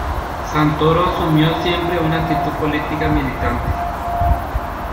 Santoro asumió siempre una actitud política militante.